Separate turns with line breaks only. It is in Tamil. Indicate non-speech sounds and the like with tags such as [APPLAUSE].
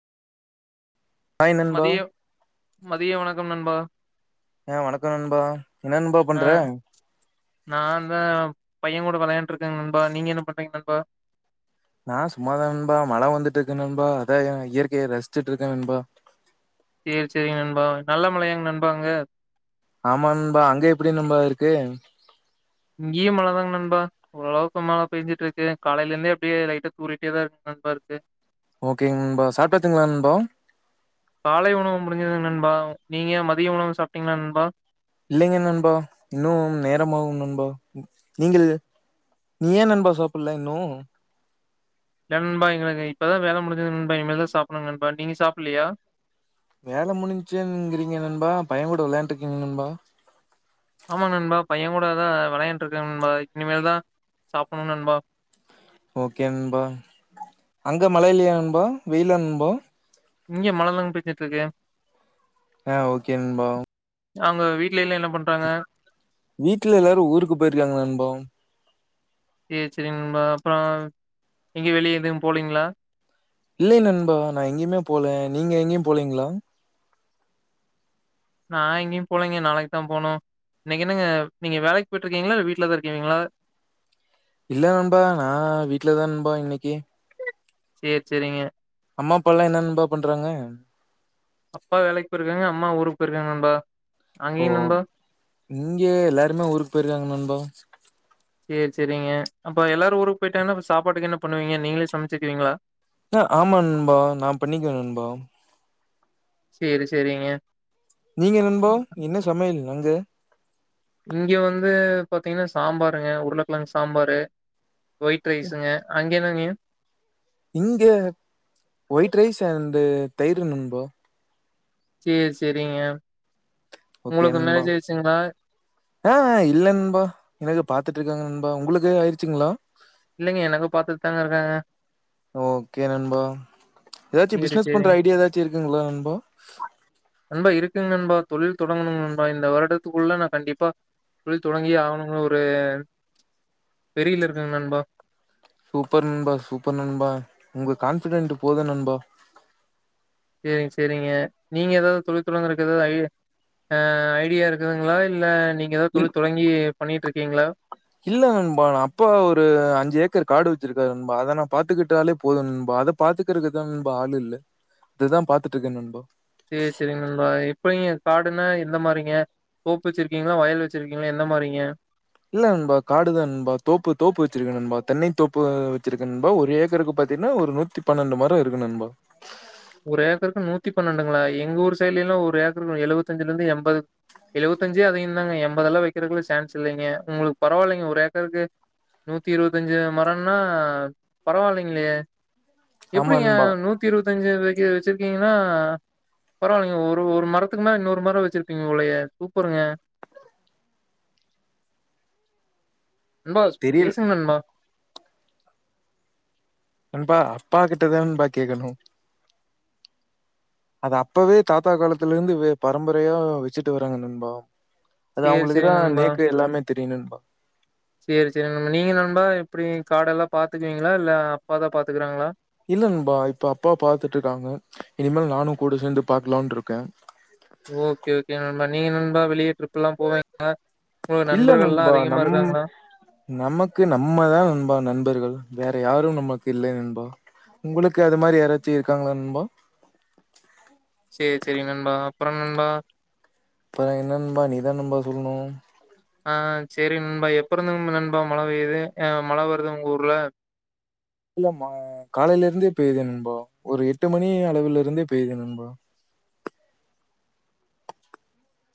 ஹாய் நண்பா
மதிய மதிய வணக்கம் நண்பா
ஆஹ் வணக்கோ நண்பா, என்ன நண்பா
ஆ
பண்ற?
பையங்கூட விளையாண்ட்டு இருக்க நண்பா, நீங்க என்ன பண்றீங்க நண்பா?
நா சும்மாதா நண்பா மழ வந்துட்டு இருக்கு நண்பா அதா இயற்கையை ரசிச்சுட்டு இருக்க நண்பா
சேரி சேரிங்க நண்பா, நல்ல மலையாங் நண்பா அங்க?
ஆமா நண்பா, அங்க எப்டி நண்பா இருக்கு?
இங்கியு மழ தாங் நண்பா ஓரளவுக்கு மழை பேய்ஞ்சிட்டு இருக்கு காலையில இருந்தே அப்டியே லைட்டா தூறிட்டேதா நண்பா இருக்கு
ஓக்கேங் நண்பா சாப்டாச்சிங்களா நண்பா
காலை உணவு முடிஞ்சதுங் நண்பா நீங்க மதிய உணவு சாப்ட்டீங்களா நண்பா
இல்லைங்க நண்பா இன்னும் நேரமாகு நண்பா நீங்கள் நீ ஏ நண்பா சாப்பிடல இன்னு
இல்ல நண்பா எங்களுக்கு இப்பதா வேல முடிஞ்சுதுங் நண்பா இனிமேல் தா சாப்பிடனுங் நண்பா நீங்க சாப்பில்லயா
வேல முடிஞ்சுங்றீங்க நண்பா பையன் கூட விளையாண்ட்ருக்கீங்க நண்பா
ஆம்மா நண்பா பையன் கூடதா விளையண்ட்டுருக்க நண்பா இனிமேல்தா சாப்பிடணு நண்பா
ஓக்கே நண்பா அங்க மழயில்லையா நண்பா வெய்யிலா நண்பா
இங்க மழதாங்க பேஞ்சிட்டு இருக்கு
ஆ ஓக்கே நண்பா
அங்க வீட்லைல்லா என்ன பண்றாங்க
வீட்ல எல்லாரு ஊருக்கு போயிருக்காங்க நண்பா
சேரி சேரிங் நண்பா அப்புறோ எங்க வெளிய எதுவு போலீங்ளா
இல்லை நண்பா நா எங்கயுமே போல நீங்க எங்கயு போலீங்களா
நா எங்கயு போலைங்க நாளைக்கு தா போனு நீங்க என்னங்க நீங்க வேலைக் போயிட்டுருக்கீங்களா இல்ல வீட்ல தா இருக்கீங்களா
இல்ல நண்பா நா வீட்ல தா நண்பா இன்னிக்கி
சேர் சேரிங்க
அம்மா அப்பல்லா என்ன நண்பா பண்றாங்க
அப்பா வேலைக் போய்ருக்காங்க அம்மா ஊருக்கு போயிருக்காங்க நண்பா
ஓ
அங்கேயும் நண்பா?
இங்க எல்லாருமே ஊருக்கு போயிருக்காங்க நண்பா
சேரி சேரிங்க அப்ப எல்லாரு ஊருக்கு போயிட்டாங்னா சாப்பாட்டுக்கு என்ன பண்ணுவீங்க நீங்ளே சமச்சுக்குவீங்ளா
ஆ ஆம்மா நண்பா நா பண்ணிக்குவே நண்பா
சேரி சேரிங்க
நீங்க நண்பா என்ன சமயல் அங்க
இங்க வந்து பாத்தீங்னா சாம்பாருங்க உருளக்கெழங்கு சாம்பாரு ஒயிட் ரைஸ்சுங்க அங் [UNINTELLIGIBLE]
இங்க ஒயிட் ரைஸ் அண்டு தயிரு நண்பா
சேர் சேரிங்க
ஓக்கே நண்பா ஆ அ இல்ல நண்பா எனக்கு பாத்துட்டு இருக்காங்க நண் பா உங்ளுக்கு ஆயிருச்சிங்ளா
இல்லைங்க எனக்கு பாத்துட்டு தாங்க இருக்காங்க
ஏதாச்சு
சரி,
பிஸ்னஸ் பண்ற
சரிங்க.
ஐடியா ஏதாச்சு இருக்குங்ளா நண்பா
நண்பா இருக்குங்க நண்பா. தொழில் தொடங்கணுங் நண்பா இந்த வருடத்துக்குள்ள நா கண்டிப்பா தொழில் தொடங்கியே ஆவுனுங்ற ஒரு வெறில இருக்கங் நண்பா
சூப்பர் நண்பா சூப்பர் நண்பா உங்க கான்பிடென்ட் போது நண்பா
சேரிங் சேரிங்க நீங்க ஏதாவது தொழில் தொடங்றதுக்கு ஏதாவது ஐ ஆ ஐடியா இருக்குதுங்களா இல்ல நீங்க ஏதாவது
இல்
தொழில் தொடங்கி பண்ணிட்டுருக்கீங்களா?
இல்ல நண்பா நா அப்பா ஒரு அஞ்சு ஏக்கர் காடு வச் சிருக்காரு நண்பா அத நா பாத்துக்கிட்டாலே போது நண்பா அத பாத்துக்கிறதுக்குதா நண்பா ஆள் இல்ல அததா பாத்துட்டு இருக்கே நண்பா
சேரி சேரி நண்பா இப்ப இங்க காடுன்னா எந்த மாரிங்க தோப்பு வெச்சிருக்கீங்களா வயல் வெச்சிருக்கீங்களா எந்த மாரிங்க
இல்ல நண்பா காடு தா நண்பா தோப்பு தோப்பு வெச்சிருக்கன் நண்பா தென்னை தோப்பு வெச்சிருக்கன் நண்பா ஒரு ஏக்கருக்கு பாத்தீங்னா ஒரு நூத்தி பன்னெண்டு மரோ இருக்கு நண்பா
ஒரு ஏக்கருக்கு நூத்தி பன்னெண்டுங்களா எங்க ஊர் சைட்லெல்லா ஒரு ஏக்கருக்கு எழுவத்தஞ்ல இருந்து எண்பது எழுவத்தஞ்சு அதயுந்தாங்க எம்பதெல்லா வெக்றதுக்கு சான்ஸ் இல்லைங்க உங்களுக்கு பரவாயில்லைங்க ஒரு ஏக்கருக்கு நூத்தி இருபத்தஞ்சு மரம்னா பரவால்லைங்களேயே
ஆமா
எப்டிங்க
நண்பா.
நூத்தி இருவீத்தஞ்சு வெ [UNINTELLIGIBLE] வெச்சிருக்கீங்கன்னா பரவாயில்லைங்க ஒரு ஒரு மரத்துக்கு மேல இன்னொரு மரோ வெச்சிருப்பீங்க போலயே சூப்பருங்க நண்பா
தெரியல
பேசுங்க நண்பா
நண்பா அப்பா கிட்டதா நண்பா கேக்கணு அது அப்போவே தாத்தா காலத்துலருந்து பரம்பரையா வெச்சுட்டு வராங்க நண்பா அது
சேரி
அவங்களுக்கு
சேரி
தான்
நண்பா
நேக்கு எல்லாமே தெரியும் நண்பா.
சேரி சேரி நண்ப நீங்க நண்பா எப்டி காடெல்லா பாத்துக்குவிங்களா இல்ல அப்பாதா பாத்துக்குறாங்களா
இல்ல நண்பா இப்ப அப்பா பாத்துட்டிருக்காங்க இனிமேல் நானு கூட சேந்து பாக்கலாம்ருக்கே
ஓக்கே ஓக்கே நண்பா நீங்க நண்பா வெளிய ட்ரிப்லா போவீங்களா
இல்ல நண்பா நம் நமக்கு நம்மதா நண்பா நண்பர்கள் வேற யாரும் நம் உனக் இல்லையா நண்பா உங்களுக்கு அது மாரி யாராச்சி இருக்காங்களா நண்பா
செரி செரி நண்பா அப்பறொ நண்பா
இப்ப என்ன நண்பா நீதா நண்பா சொல்லணு
ஆ செரி நண்பா எப்ப இருந்து நண் நண்பா மழ பெய்து அஹ் மழ வருது உங்க ஊர்ல
இல்ல மா காலையில இருந்தே பேயுதே நண்பா ஒரு எட்டு மணி அளவுல இருந்தே பெயுதே நண்பா